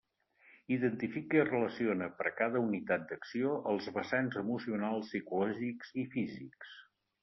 Identifica i relaciona, per a cada unitat d'acció, els vessants emocionals, psicològics i físics.